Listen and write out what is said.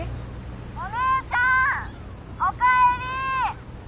お姉ちゃんおかえり！